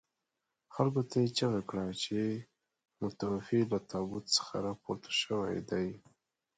خلکو ته یې چيغه کړه چې متوفي له تابوت څخه راپورته شوي دي.